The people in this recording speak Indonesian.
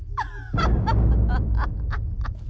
sudah tidak ada lagi